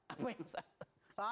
apa yang salah